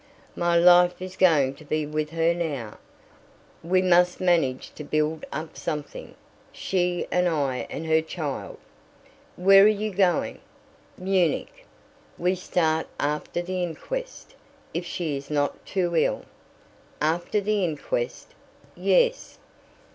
My life is going to be with her now. We must manage to build up something, she and I and her child." "Where are you going?" "Munich. We start after the inquest, if she is not too ill." "After the inquest?" "Yes."